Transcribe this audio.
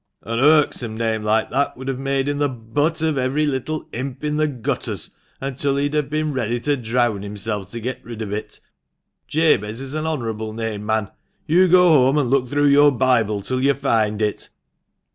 " An Irksome name like that would have made him the butt of every little imp in the gutters, until he'd have been ready to drown himself to get rid of it. Jabez is an honourable name, man. You go home, and look through your Bible till you find it."